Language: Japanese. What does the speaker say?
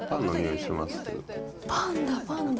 パンだ、パンだ。